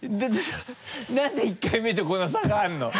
何で１回目とこんな差があるの？